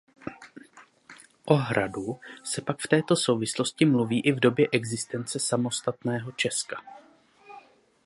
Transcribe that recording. O „hradu“ se pak v této souvislosti mluví i v době existence samostatného Česka.